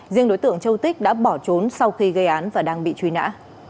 riêng đối tượng châu tích đã bỏ trốn sau khi gây án và đang bị truy nã